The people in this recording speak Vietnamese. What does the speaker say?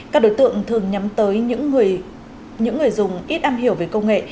các đối tượng thường nhắm tới những người dùng ít am hiểu về công nghệ